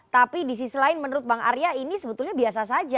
tapi di sisi lain menurut bang arya ini sebetulnya biasa saja